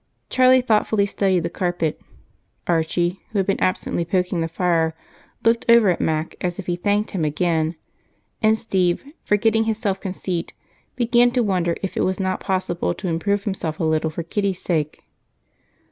Charlie thoughtfully studied the carpet; Archie, who had been absently poking the fire, looked over at Mac as if he thanked him again, and Steve, forgetting his self conceit, began to wonder if it was not possible to improve himself a little for Kitty's sake.